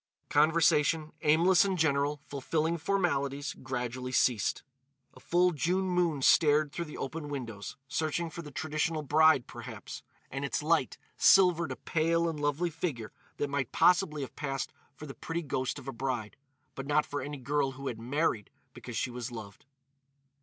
Conversation, aimless and general, fulfilling formalities, gradually ceased. A full June moon stared through the open windows—searching for the traditional bride, perhaps—and its light silvered a pale and lovely figure that might possibly have passed for the pretty ghost of a bride, but not for any girl who had married because she was loved.